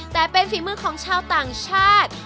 แต่เป็นฝีมือของชาวต่างชาติ